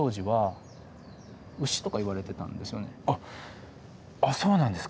あっあっそうなんですか。